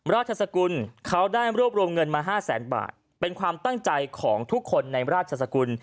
ราชสกุลเขาได้รวบรวมเงินมา๕แสนบาทเป็นความตั้งใจของทุกคนในราชสกุล